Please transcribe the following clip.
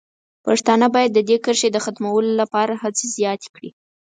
پښتانه باید د دې کرښې د ختمولو لپاره هڅې زیاتې کړي.